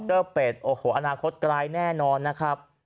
เป็ดโอ้โหอนาคตไกลแน่นอนนะครับ